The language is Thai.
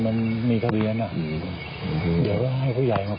ในนาภาคเข้ามา